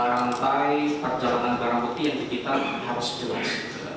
rantai perjalanan barang bukti yang dikitar harus jelas